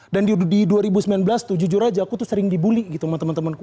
dan di dua ribu sembilan belas tuh jujur aja aku tuh sering dibully gitu sama temen temenku